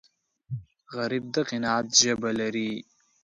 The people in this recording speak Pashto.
غریب د قناعت ژبه لري